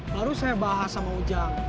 baru saya bahas sama ujang